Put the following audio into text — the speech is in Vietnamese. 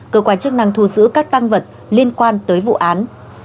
cơ quan chức năng thu giữ các tăng vật liên quan tới vụ án